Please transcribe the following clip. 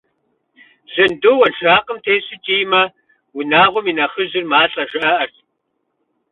Жьынду уэнжакъым тесу кӀиймэ, унагъуэм и нэхъыжьыр малӀэ, жаӀэрт.